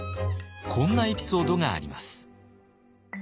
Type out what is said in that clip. こんなエピソードがあります。